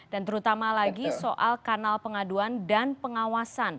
terutama lagi soal kanal pengaduan dan pengawasan